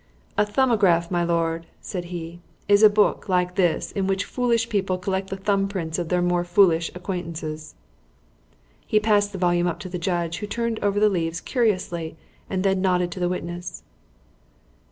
"A 'Thumbograph,' my lord," said he, "is a book, like this, in which foolish people collect the thumb prints of their more foolish acquaintances." He passed the volume up to the judge, who turned over the leaves curiously and then nodded to the witness.